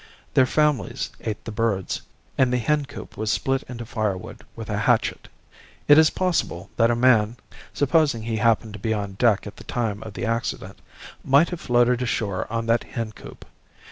Their families ate the birds, and the hencoop was split into firewood with a hatchet. It is possible that a man (supposing he happened to be on deck at the time of the accident) might have floated ashore on that hencoop.